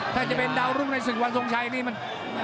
ถ้าจะเป็นดาวรุ่งในศึกวันทรงชัยนี่มัน